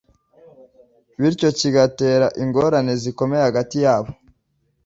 bityo kigatera ingorane zikomeye hagati yabo